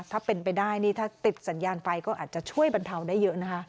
ถ้าเป็นไปได้นี่ถ้าติดสัญญาณไฟก็อาจจะช่วยบรรเทาได้เยอะนะคะ